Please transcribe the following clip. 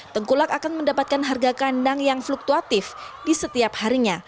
tengkulak akan mendapatkan harga kandang yang fluktuatif di setiap harinya